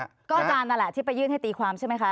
ก็อาจารย์นั่นแหละที่ไปยื่นให้ตีความใช่ไหมคะ